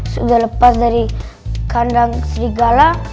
sudah lepas dari kandang serigala